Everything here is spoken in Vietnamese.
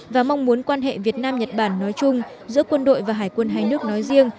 và mong muốn quan hệ việt nam nhật bản nói chung giữa quân đội và hải quân hai nước nói riêng